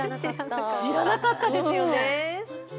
知らなかったですよね。